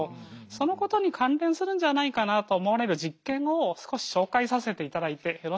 そのことに関連するんじゃないかなと思われる実験を少し紹介させていただいてよろしいでしょうか？